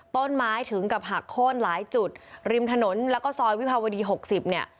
ต้นไม้ถึงกับหักโค้นหลายจุดริมถนนแล้วก็ซอยวิภาวดี๖๐เนี่ย